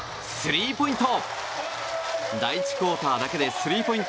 スリーポイント！